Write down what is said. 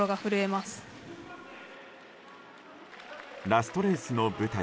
ラストレースの舞台